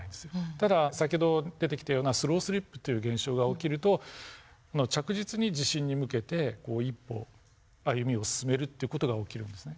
ただ先ほど出てきたようなスロースリップという現象が起きると着実に地震に向けて一歩歩みを進めるっていう事が起きるんですね。